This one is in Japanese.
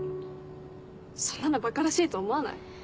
そんなのばからしいと思わない？